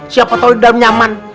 siapa tahu dalam nyaman